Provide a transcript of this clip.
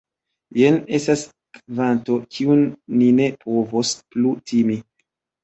Jen estas kvanto, kiun ni ne povos plu timi.